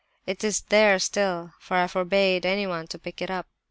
It is there still, for I forbade anyone to pick it up.